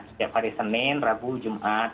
setiap hari senin rabu jumat